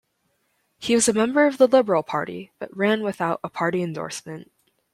He was a member of the Liberal Party, but ran without a party endorsement.